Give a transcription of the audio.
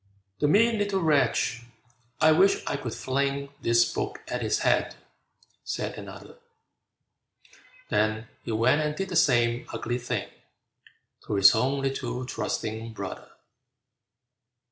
"The mean little wretch, I wish I could fling This book at his head!" said another; Then he went and did the same ugly thing To his own little trusting brother!